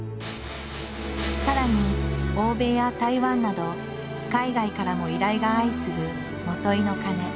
さらに欧米や台湾など海外からも依頼が相次ぐ元井の鐘。